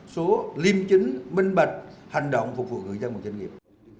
số liêm chính minh bạch hành động phục vụ người dân và doanh nghiệp